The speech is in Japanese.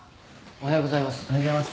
おはようございます。